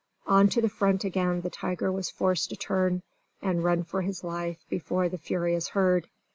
On to the front again the tiger was forced to turn and run for his life before the furious herd.